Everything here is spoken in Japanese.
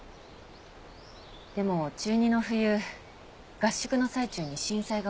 でも中２の冬合宿の最中に震災が起きて。